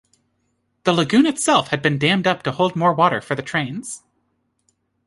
The Lagoon itself had been dammed up to hold more water for the trains.